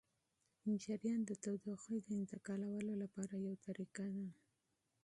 جریان د تودوخې د انتقالولو لپاره یوه طریقه ده.